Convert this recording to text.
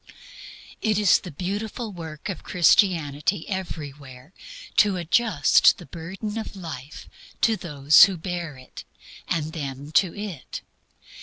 It is the beautiful work of Christianity everywhere to adjust the burden of life to those who bear it, and them to it.